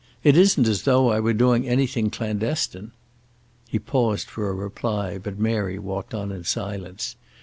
It isn't as though I were doing anything clandestine." He paused for a reply, but Mary walked on in silence.